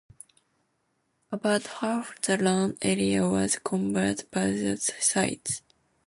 About half the land area was covered by the sites.